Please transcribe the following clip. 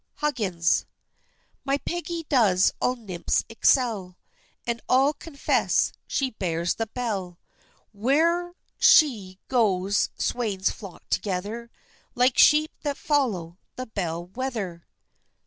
HUGGINS. My Peggy does all nymphs excel, And all confess she bears the bell, Where'er she goes swains flock together, Like sheep that follow the bell wether.